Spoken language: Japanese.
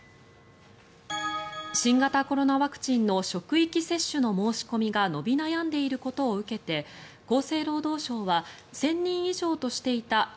新型コロナワクチンの職域接種の申し込みが伸び悩んでいることを受けて厚生労働省は１０００人以上としていた